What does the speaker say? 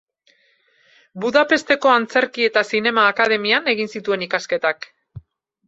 Budapesteko Antzerki eta Zinema Akademian egin zituen ikasketak.